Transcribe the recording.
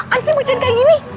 ansi becain kayak gini